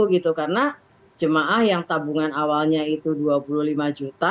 karena jemaah yang tabungan awalnya itu rp dua puluh lima